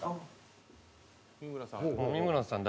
三村さん